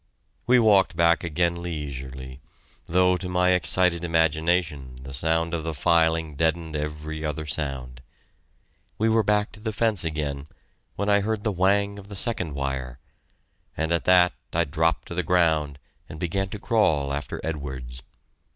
We walked back again leisurely, though to my excited imagination the sound of the filing deadened every other sound. We were back to the fence again when I heard the whang of the second wire, and at that I dropped to the ground and began to crawl after Edwards.